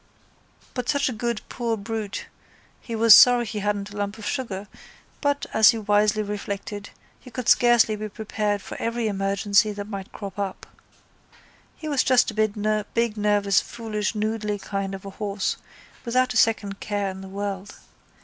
But such a good poor brute he was sorry he hadn't a lump of sugar but, as he wisely reflected, you could scarcely be prepared for every emergency that might crop up. He was just a big nervous foolish noodly kind of a horse, without a second care in the world.